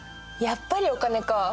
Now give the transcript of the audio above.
やっぱりお金か！